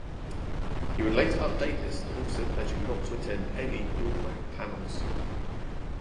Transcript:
He would later update this to also pledging not to attend any all-male panels.